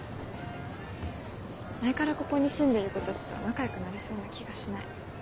前からここに住んでる子たちとは仲よくなれそうな気がしない。